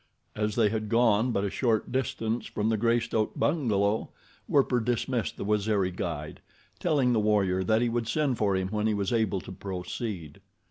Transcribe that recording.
As they had gone but a short distance from the Greystoke bungalow, Werper dismissed the Waziri guide, telling the warrior that he would send for him when he was able to proceed.